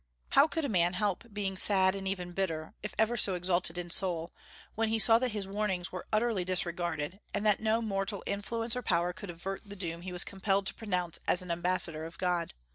How could a man help being sad and even bitter, if ever so exalted in soul, when he saw that his warnings were utterly disregarded, and that no mortal influence or power could avert the doom he was compelled to pronounce as an ambassador of God?